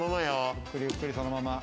ゆっくりゆっくりそのまま。